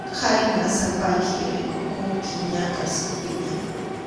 Khayna sapayki rikukunki ña karsilpiña.